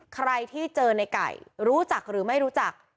ใครที่เจอในไก่รู้จักหรือไม่รู้จัก